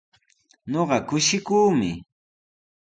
Ñuqa kushikuumi.